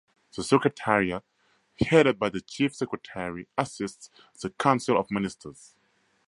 The Secretariat headed by the chief secretary assists the council of ministers.